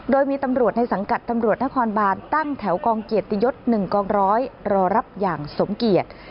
โดยมีตำรวจในสังกัดตำรวจนครบานตั้งแถวกองเกียรติยศ๑กองร้อยรอรับอย่างสมเกียจ